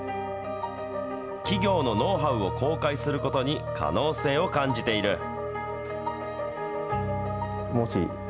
企業のノウハウを公開することに可能性を感じている。